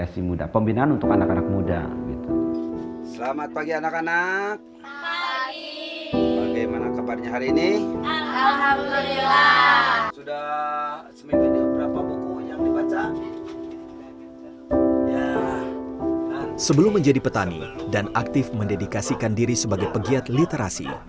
sebelum menjadi petani dan aktif mendedikasikan diri sebagai pegiat literasi